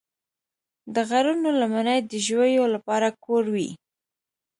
د غرونو لمنې د ژویو لپاره کور وي.